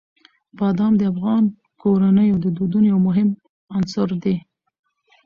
بادام د افغان کورنیو د دودونو یو مهم عنصر دی.